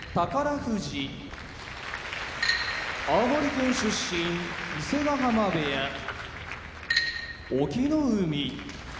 富士青森県出身伊勢ヶ濱部屋隠岐の海